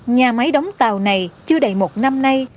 nhà máy đóng tàu này chưa đầy một năm nay